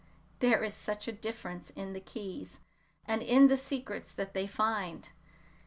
there's such a difference in the keys and in the secrets that they find!